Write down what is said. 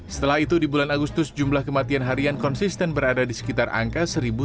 setelah itu di bulan agustus jumlah kematian harian konsisten berada di sekitar angka satu dua ratus